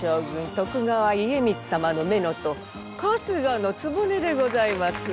徳川家光様の乳母春日局でございます。